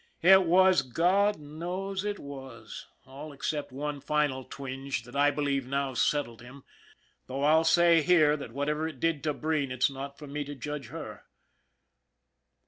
It was, God knows it was all except one final twinge, that I believe now settled him, though I'll say here that whatever it did 54 ON THE IRON AT BIG CLOUD to Breen it's not for me to judge her.